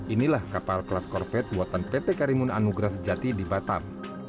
inilah kapal kelas korvet buatan pt karimun anugrah sejati di batam